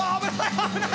危ない！